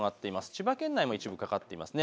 千葉県内も一部かかっています。